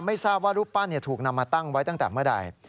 ไม่ทราบว่ารูปปั้นถูกนำมาตั้งไว้ตั้งแต่เมื่อใด